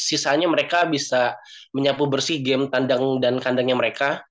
sisanya mereka bisa menyapu bersih game tandang dan kandangnya mereka